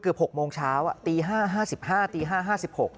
เกือบ๖โมงเช้าตี๕๕๕ตี๕๕๖